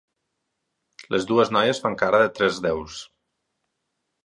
Les dues noies fan cara de tres déus.